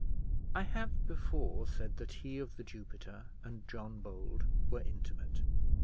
I have before said that he of The Jupiter and John Bold were intimate.